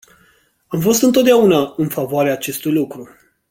Am fost întotdeauna în favoarea acestui lucru.